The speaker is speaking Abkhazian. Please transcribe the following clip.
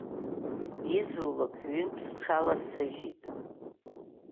Изулак ҩынтә сҽаласыжьит.